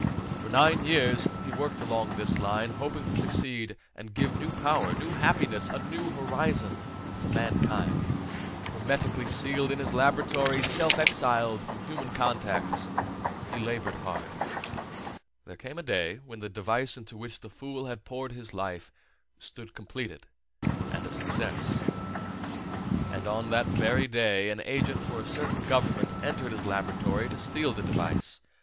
For nine years he worked along this line, hoping to succeed and give new power, new happiness, a new horizon to mankind. Hermetically sealed in his laboratory, self exiled from human contacts, he labored hard. There came a day when the device into which the fool had poured his life stood completed and a success. And on that very day an agent for a certain government entered his laboratory to steal the device.